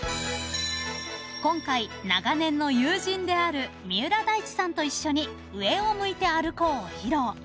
［今回長年の友人である三浦大知さんと一緒に『上を向いて歩こう』を披露］